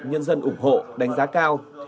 nhân dân ủng hộ đánh giá cao